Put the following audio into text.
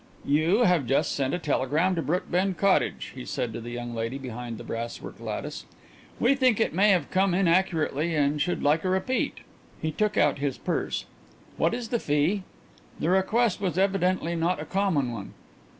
"You have just sent a telegram to Brookbend Cottage," he said to the young lady behind the brasswork lattice. "We think it may have come inaccurately and should like a repeat." He took out his purse. "What is the fee?" The request was evidently not a common one.